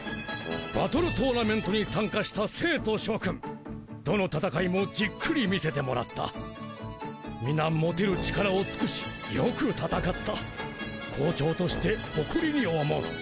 バトルトーナメントに参加した生徒諸君どの戦いもじっくり見せてもらったみな持てる力を尽くしよく戦った校長として誇りに思う